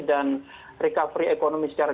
dan recovery ekonomi secara